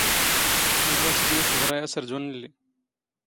ⵉⵔⵡⴰⵙ ⵉⵙ ⵏⵉⵜ ⵜⵥⵕⴰ ⴰⵙⵔⴷⵓⵏ ⵍⵍⵉ?